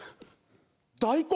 大根！